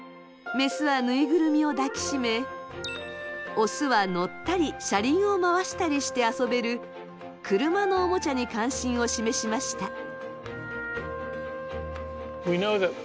メスはぬいぐるみを抱き締めオスは乗ったり車輪を回したりして遊べる車のおもちゃに関心を示しました。